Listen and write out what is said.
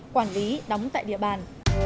quản lý đóng tại địa bàn